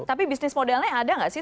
tapi bisnis modelnya ada nggak sih